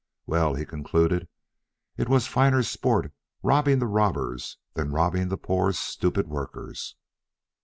Well, he concluded, it was finer sport robbing the robbers than robbing the poor stupid workers.